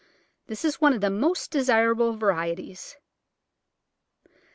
This is one of the most desirable varieties.